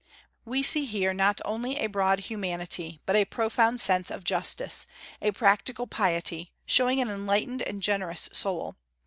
We see here not only a broad humanity, but a profound sense of justice, a practical piety, showing an enlightened and generous soul.